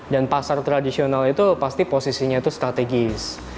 dan pasar tradisional itu pasti posisinya itu strategis